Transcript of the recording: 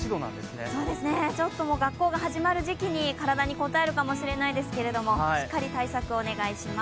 ちょっと学校が始まる時期に体に応えるかもしれないですけどしっかり対策をお願いします。